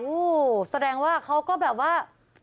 โอ้โหแสดงว่าเขาก็แบบว่า